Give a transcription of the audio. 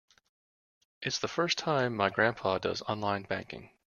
It's the first time my grandpa does online banking.